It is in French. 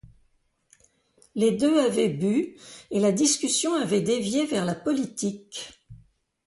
Les deux avaient bu, et la discussion avait dévié vers la politique.